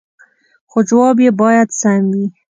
خو جواب يې باید سم وي